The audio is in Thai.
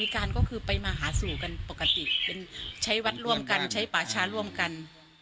คือเหมือนคนในหมู่บ้านเดียวกัน